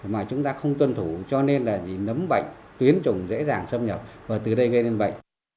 mà chúng ta không tuân thủ cho nên là gì nấm bệnh tuyến trùng dễ dàng xâm nhập và từ đây gây nên bệnh